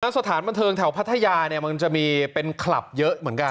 สถานบันเทิงแถวพัทยาเนี่ยมันจะมีเป็นคลับเยอะเหมือนกัน